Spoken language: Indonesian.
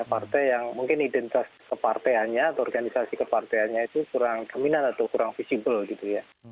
partai yang mungkin identitas keparteannya atau organisasi keparteannya itu kurang jaminan atau kurang visible gitu ya